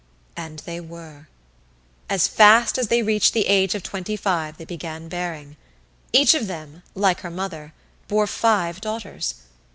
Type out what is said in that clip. And they were! As fast as they reached the age of twenty five they began bearing. Each of them, like her mother, bore five daughters.